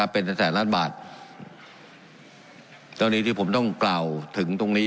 เป็นแสนแสนล้านบาทกรณีที่ผมต้องกล่าวถึงตรงนี้